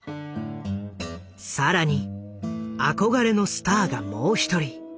更に憧れのスターがもう一人。